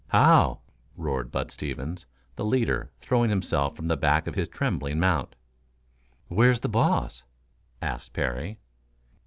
"How!" roared Bud Stevens, the leader, throwing himself from the back of his trembling mount. "Where's the boss?" asked Parry.